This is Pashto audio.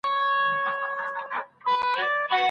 پرمختګ د ټولو ګډه هیله ده.